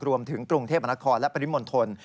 รวมถึงกรุงเทพมนครและปริมณฑล